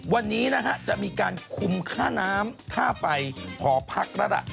วันนี้นะฮะจะมีการคุมค่าน้ำค่าไฟหอพักแล้วล่ะ